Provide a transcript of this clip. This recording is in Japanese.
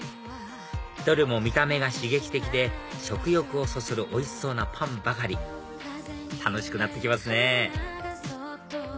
どれも見た目が刺激的で食欲をそそるおいしそうなパンばかり楽しくなってきますね！